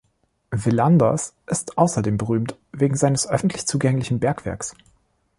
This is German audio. Villanders ist außerdem berühmt wegen seines öffentlich zugänglichen Bergwerks.